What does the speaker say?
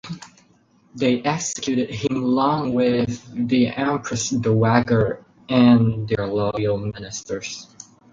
They executed him along with the Empress Dowager and their loyal ministers.